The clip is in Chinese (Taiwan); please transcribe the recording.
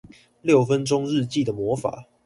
六分鐘日記的魔法